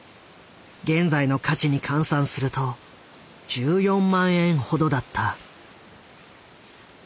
現在の価値に換算すると１４万円ほどだった。